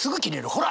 ほら！」